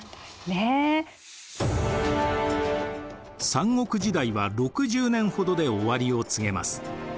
三国時代は６０年ほどで終わりを告げます。